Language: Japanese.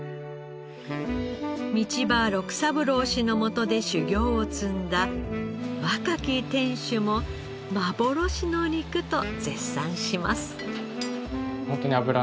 道場六三郎氏のもとで修業を積んだ若き店主も幻の肉と絶賛します。